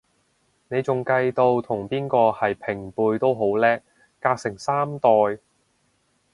你仲計到同邊個係平輩都好叻，隔成三代